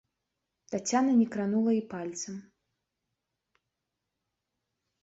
Таццяна не кранула і пальцам.